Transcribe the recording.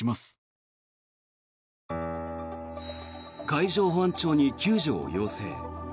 海上保安庁に救助を要請。